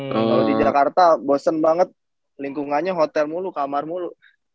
kalau di jakarta bosen banget lingkungannya hotel mulu kamar mulu